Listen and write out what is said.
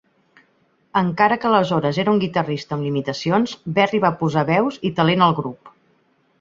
Encara que aleshores era un guitarrista amb limitacions, Berry va posar veus i talent al grup.